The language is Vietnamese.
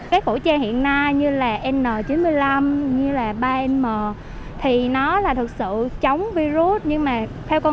cái khẩu trang hiện nay như là n chín mươi năm như là ba m thì nó là thực sự chống virus nhưng mà theo con